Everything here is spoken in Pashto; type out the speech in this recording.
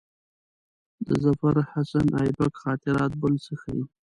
د ظفرحسن آیبک خاطرات بل څه ښيي.